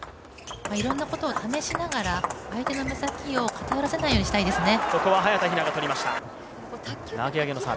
いろんなことを試しながら相手の手先を偏らせないようにしたいですね。